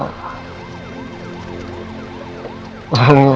kamu harus ada yang jagain aku